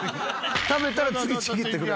食べたら次ちぎってくれる。